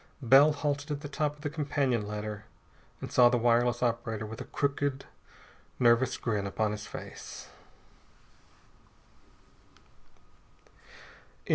Bell halted at the top of the companion ladder and saw the wireless operator, with a crooked, nervous grin upon his face.